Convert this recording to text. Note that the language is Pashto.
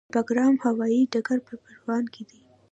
د بګرام هوايي ډګر په پروان کې دی